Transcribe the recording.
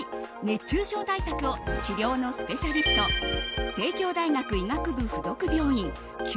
熱中症対策を治療のスペシャリスト帝京大学医学部附属病院